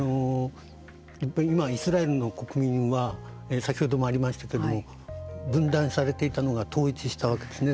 やっぱり今イスラエルの国民は先ほどもありましたけれども分断されていたのが統一したわけですね。